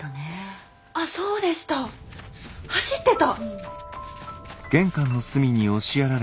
あっそうでした走ってた。